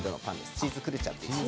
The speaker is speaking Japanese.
チーズクルチャというもの。